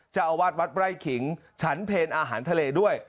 เจ้าอาวาสวัดไร่ขิงฉันเพลอาหารทะเลด้วย